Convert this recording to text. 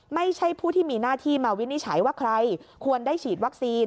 ไม่ใช่ผู้ที่มีหน้าที่มาวินิจฉัยว่าใครควรได้ฉีดวัคซีน